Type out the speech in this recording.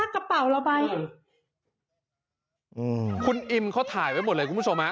คุณอิมเขาถ่ายไว้หมดเลยดูทุกผู้ชมนะ